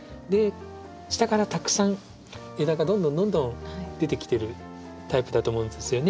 下からたくさん枝がどんどんどんどん出てきてるタイプだと思うんですよね。